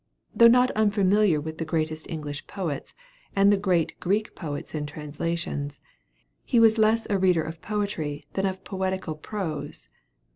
Though not unfamiliar with the greatest English poets, and the great Greek poets in translations, he was less a reader of poetry than of poetical prose.